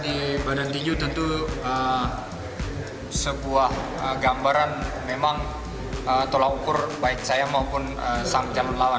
di badan tinju tentu sebuah gambaran memang tolak ukur baik saya maupun sang calon lawan